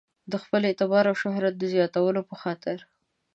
د خپل اعتبار او شهرت د زیاتولو په خاطر.